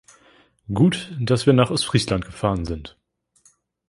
Gut, dass wir nach Ostfriesland gefahren sind!